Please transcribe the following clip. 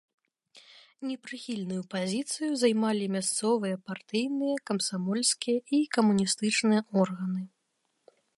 Непрыхільную пазіцыю займалі мясцовыя партыйныя, камсамольскія і камуністычныя органы.